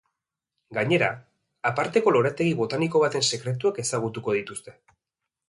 Gainera, aparteko lorategi botaniko baten sekretuak ezagutuko dituzte.